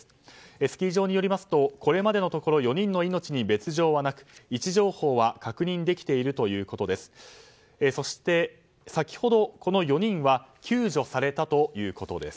スキー場によりますとこれまでのところ４人の命の別条はなく位置情報は確認できているということです。